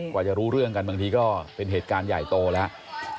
กว่าจะรู้เรื่องกันบางทีก็เป็นเหตุการณ์ใหญ่โตแล้ว